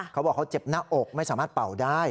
เขาบอกเขาเจ็บหน้าอกไม่สามารถเป่าได้